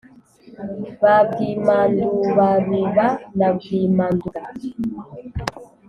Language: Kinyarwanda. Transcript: Ba Bwimandubaruba na Bwimanduga